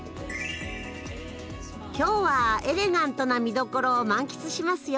今日はエレガントな見どころを満喫しますよ。